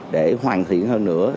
để hoàn thiện hơn nữa